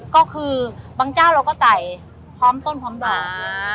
ก็คือบางเจ้าเราก็ไต่พร้อมต้นพร้อมด่า